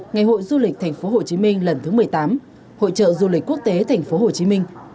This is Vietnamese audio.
ngày hội du lịch tp hcm lần thứ một mươi tám hội trợ du lịch quốc tế tp hcm